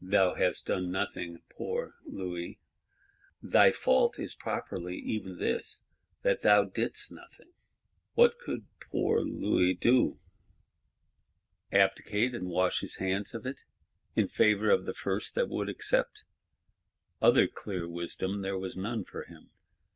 Thou hast done nothing, poor Louis! Thy fault is properly even this, that thou didst nothing. What could poor Louis do? Abdicate, and wash his hands of it,—in favour of the first that would accept! Other clear wisdom there was none for him.